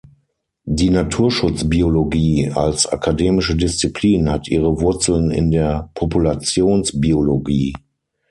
Die Naturschutzbiologie als akademische Disziplin hat ihre Wurzeln in der Populationsbiologie.